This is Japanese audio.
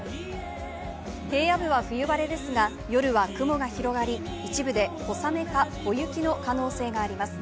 平野部は冬晴れですが夜は雲が広がり、一部で小雨か小雪の可能性があります。